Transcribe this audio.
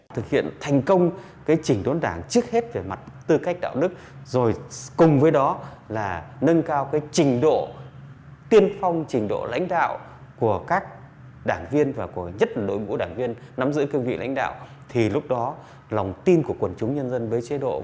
thực hiện thành công trình đốn đảng trước hết về mặt tư cách đạo đức rồi cùng với đó là nâng cao trình độ tiên phong trình độ lãnh đạo của các đảng viên và của nhất lối mũ đảng viên nắm giữ cơ vị lãnh đạo